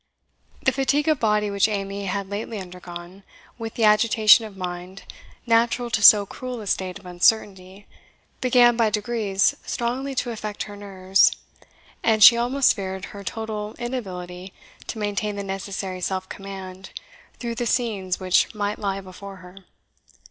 The fatigue of body which Amy had lately undergone, with the agitation of mind natural to so cruel a state of uncertainty, began by degrees strongly to affect her nerves, and she almost feared her total inability to maintain the necessary self command through the scenes which might lie before her.